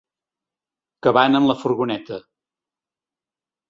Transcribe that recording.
Que van amb la furgoneta.